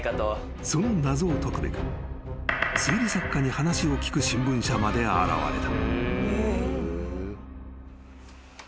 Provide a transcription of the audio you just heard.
［その謎を解くべく推理作家に話を聞く新聞社まで現れた］